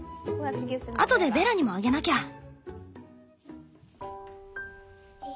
後でベラにもあげなきゃ！